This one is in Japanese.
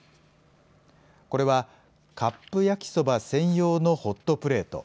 これは、カップ焼きそば専用のホットプレート。